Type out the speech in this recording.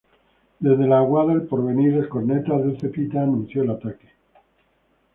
Desde la aguada El Porvenir el corneta del Zepita anunció el ataque.